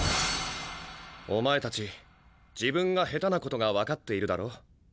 お前たち自分が下手なことが分かっているだろう？